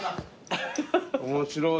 面白い。